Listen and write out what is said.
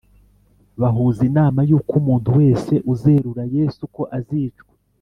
bahuza inama yuko umuntu wese uzerura yesu ko azicwa